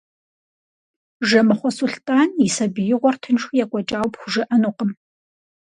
Жэмыхъуэ Сулътӏан и сабиигъуэр тыншу екӏуэкӏауэ пхужыӏэнукъым.